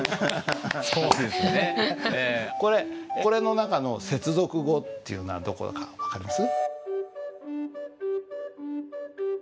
これの中の接続語というのはどこだか分かります？